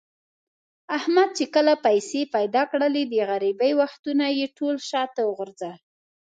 احمد چې کله پیسې پیدا کړلې، د غریبۍ وختونه یې ټول شاته و غورځول.